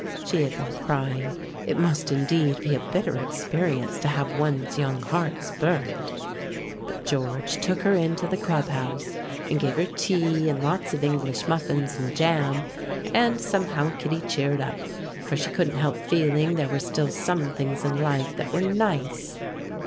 She had been crying. It must indeed be a bitter experience to have one's young heart spurned! But George took her into the club house and gave her tea and lots of English muffins and jam, and somehow Kittie cheered up, for she couldn't help feeling there were still some things in life that were nice.